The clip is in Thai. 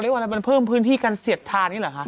มันเพิ่มพื้นที่การเสียดทานนี่หรอค่ะ